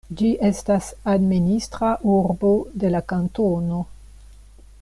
Ĝi estas administra urbo de la kantono.